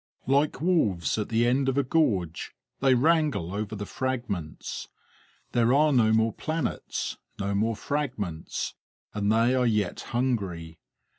Like wolves at the end of a gorge, they wrangle over the fragments. There are no more planets, no more fragments, and they are yet hungry.